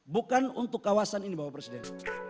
bukan untuk kawasan ini bapak presiden